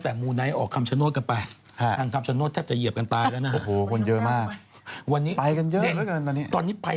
แล้ววันนี้ไปบวงสวมไปลำอะไรเรียบร้อยครับตอนนี้